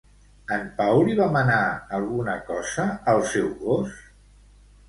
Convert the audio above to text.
En Pau li va manar alguna cosa al seu gos?